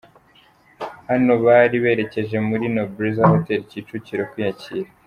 Hano bari berekeje kuri Nobleza Hoteli, Kicukiro kwiyakira.